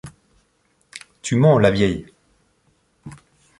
Tu mens, la vieille !